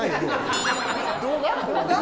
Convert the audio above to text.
動画？